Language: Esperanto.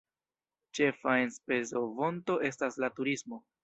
Ĉefa enspezofonto estas la turismo.